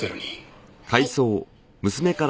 はい。